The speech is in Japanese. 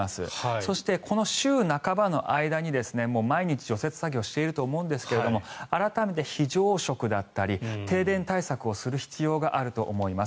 そして、この週半ばの間にもう毎日、除雪作業をしていると思うんですが改めて非常食だったり停電対策をする必要があると思います。